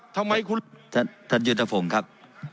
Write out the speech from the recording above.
ท่านยุทธฟงครับ